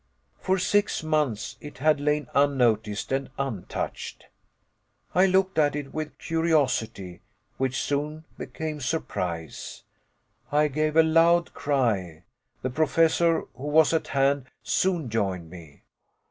For six months it had lain unnoticed and untouched. I looked at it with curiosity, which soon became surprise. I gave a loud cry. The Professor, who was at hand, soon joined me.